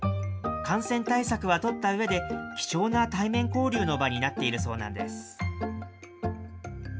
感染対策は取ったうえで、貴重な対面交流の場になっているそうなんです。